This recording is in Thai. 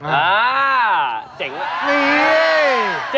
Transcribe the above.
อ่าเจ๋งมาก